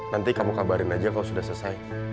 nanti kamu kabarin aja kalau sudah selesai